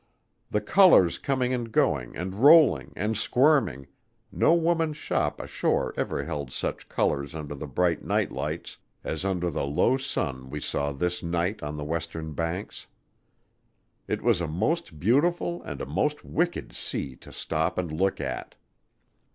The colors coming and going and rolling and squirming no women's shop ashore ever held such colors under the bright nightlights as under the low sun we saw this night on the western banks. It was a most beautiful and a most wicked sea to stop and look at.